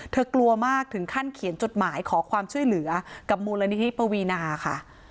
กลัวมากถึงขั้นเขียนจดหมายขอความช่วยเหลือกับมูลนิธิปวีนาค่ะ